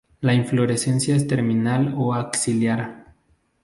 La inflorescencia es terminal o axilar.